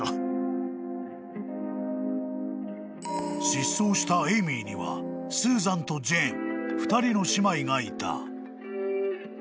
［失踪したエイミーにはスーザンとジェーン２人の姉妹がいた］